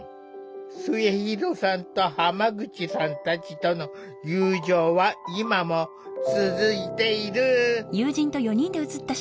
末弘さんと浜口さんたちとの友情は今も続いている。